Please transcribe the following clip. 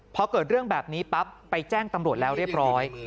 พอเกิดเรื่องแบบนี้ปั๊บไปแจ้งตำรวจแล้วเรียบร้อย